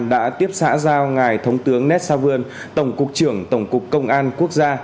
đã tiếp xã giao ngài thống tướng nét sa vươn tổng cục trưởng tổng cục công an quốc gia